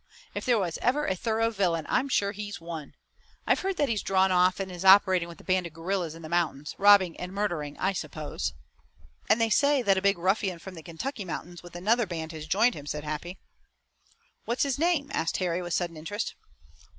If there was ever a thorough villain I'm sure he's one. I've heard that he's drawn off and is operating with a band of guerrillas in the mountains, robbing and murdering, I suppose." "And they say that a big ruffian from the Kentucky mountains with another band has joined him," said Happy. "What's his name?" asked Harry with sudden interest.